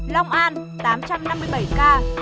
long an tám trăm năm mươi bảy ca